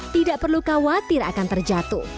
tidak perlu khawatir akan terjatuh